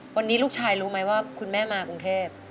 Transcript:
วันนี้ลูกชายรู้ไหมว่าคุณแม่มากรุงเทพ